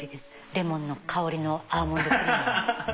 レモンの香りのアーモンドクリームです。